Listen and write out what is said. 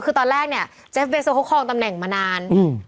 คือตอนแรกเนี่ยเจฟเบโซเขาคลองตำแหน่งมานานอืม